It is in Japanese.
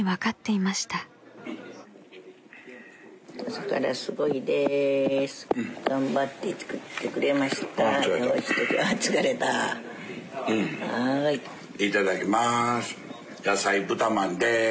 いただきまーす。